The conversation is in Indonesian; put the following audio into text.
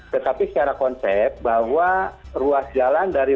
tetapi secara konsep bahwa ruas jalan dari